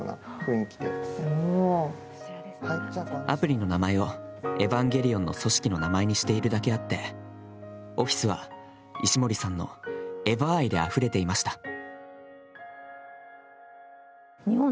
アプリの名前を「エヴァンゲリオン」の組織の名前にしているだけあってオフィスは石森さんの「エヴァ愛」であふれていました。